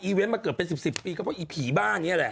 เวนต์มาเกิดเป็น๑๐ปีก็เพราะอีผีบ้านนี้แหละ